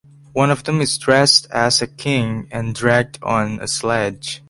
One of them is dressed as a king and dragged on a sledge.